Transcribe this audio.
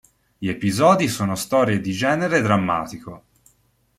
Gli episodi sono storie di genere drammatico.